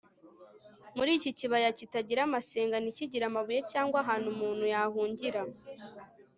ni muri iki kibaya kitagira amasenga ntikigire amabuye, cyangwa ahantu umuntu yahungira